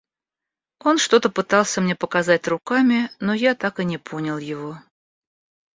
Он что-то пытался мне показать руками, но я так и не понял его.